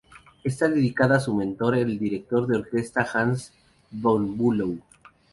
Está dedicada a su mentor, el director de orquesta Hans von Bülow.